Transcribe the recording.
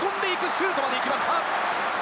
シュートまでいきました。